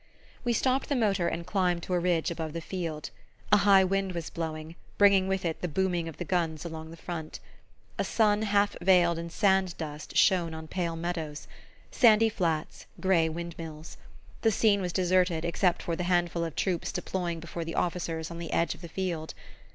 We stopped the motor and climbed to a ridge above the field. A high wind was blowing, bringing with it the booming of the guns along the front. A sun half veiled in sand dust shone on pale meadows, sandy flats, grey wind mills. The scene was deserted, except for the handful of troops deploying before the officers on the edge of the field.